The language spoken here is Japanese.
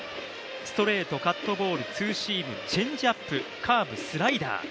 ストレート、カットボール、ツーシーム、チェンジアップ、カーブ、スライダー。